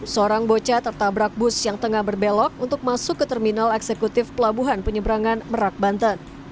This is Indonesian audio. seorang bocah tertabrak bus yang tengah berbelok untuk masuk ke terminal eksekutif pelabuhan penyeberangan merak banten